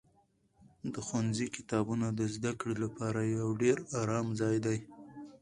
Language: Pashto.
د ښوونځي کتابتون د زده کړې لپاره یو ډېر ارام ځای دی.